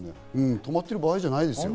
止まってる場合じゃないですよ。